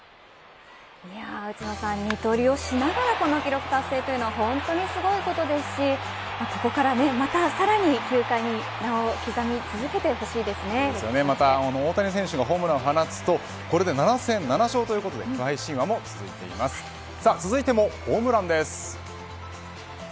二刀流をしながらこの記録達成というのは本当にすごいことですしここからさらに球界に名を刻み続大谷選手のホームランを放つとこれで７戦７勝ということで続いてもホームランです。